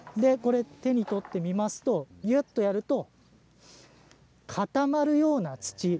手に取ってみますとにゅっとやると固まるような土。